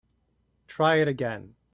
Try it again.